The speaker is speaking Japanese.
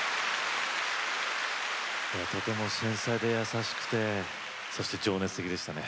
とても繊細で優しくてそして、情熱的でしたね。